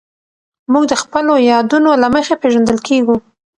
موږ د خپلو یادونو له مخې پېژندل کېږو.